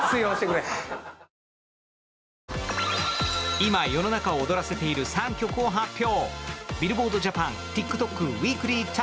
今、世の中を踊らせている３曲を発表。